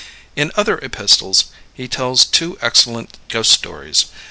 In other epistles he tells two excellent ghost stories.